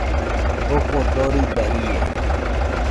Jofo dorɨba ie